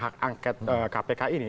berkaitan dengan hak angket kpk ini